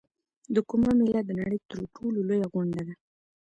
کومبه میله د نړۍ تر ټولو لویه غونډه ده.